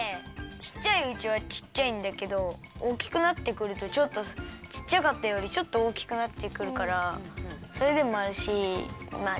ちっちゃいうちはちっちゃいんだけどおおきくなってくるとちょっとちっちゃかったよりちょっとおおきくなってくるからそれでもあるしまあ